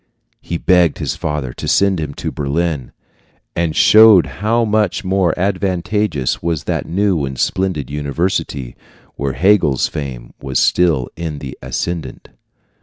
He begged his father to send him to Berlin, and showed how much more advantageous was that new and splendid university, where Hegel's fame was still in the ascendent.